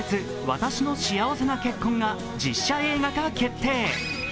「わたしの幸せな結婚」が実写映画化決定。